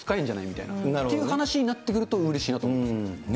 みたいな話になってくるとうれしいなと思いますね。